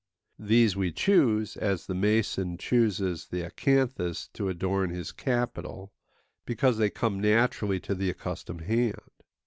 These we choose, as the mason chooses the acanthus to adorn his capital, because they come naturally to the accustomed hand.